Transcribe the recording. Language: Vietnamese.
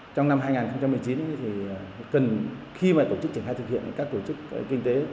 trong năm hai nghìn một mươi chín thì cần khi mà tổ chức triển khai thực hiện các tổ chức kinh tế